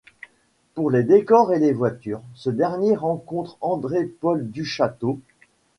Pour les décors et les voitures, ce dernier rencontre André-Paul Duchâteau.